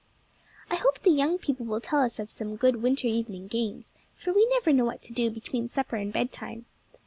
I hope the Young People will tell us of some good winter evening games, for we never know what to do between supper and bed time.